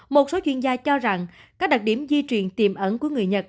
một số chuyên gia cho rằng các đặc điểm di truyền tiềm ẩn của người nhật